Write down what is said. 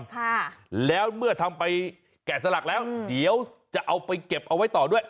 ค่ะแล้วเมื่อทำไปแกะสลักแล้วเดี๋ยวจะเอาไปเก็บเอาไว้ต่อด้วย